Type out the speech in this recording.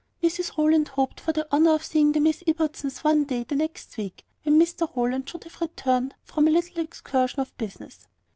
Mrs Rowland hoped for the honour of seeing the Miss Ibbotsons one day the next week, when Mr Rowland should have returned from a little excursion of business.